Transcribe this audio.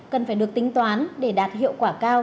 cần phải được tính toán để đạt hiệu quả cao